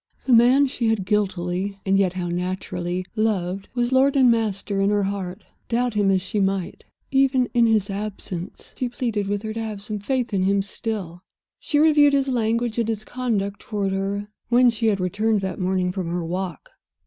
The man she had guiltily (and yet how naturally) loved was lord and master in her heart, doubt him as she might. Even in his absence he pleaded with her to have some faith in him still. She reviewed his language and his conduct toward her, when she had returned that morning from her walk.